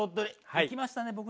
行きましたね